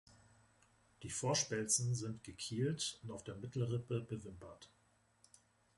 Die Vorspelzen sind gekielt und auf der Mittelrippe bewimpert.